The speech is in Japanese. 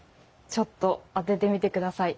ちょっと当ててみてください。